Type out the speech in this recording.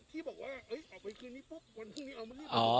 ที่บอกว่าเอ้ยออกไปคืนนี้ปุ๊บวันทุกนี้เอามานี่อ๋ออะไร